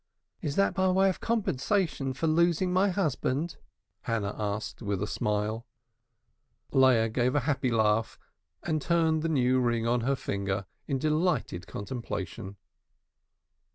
"Is that by way of compensation for losing my husband?" Hannah asked with a smile. Leah gave a happy laugh, and turned the new ring on her finger in delighted contemplation.